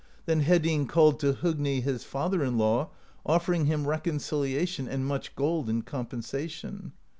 Then Hedinn called to Hogni his father in law, offering him reconciliation and much gold in com pensation.